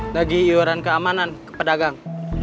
bagi iuran keamanan ke pedagang